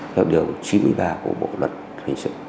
theo điều chín mươi ba của bộ luật hình sự